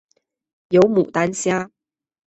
有牡丹虾